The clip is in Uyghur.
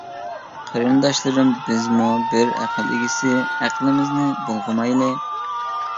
قېرىنداشلىرىم بىزمۇ بىر ئەقىل ئىگىسى، ئەقلىمىزنى بۇلغىمايلى.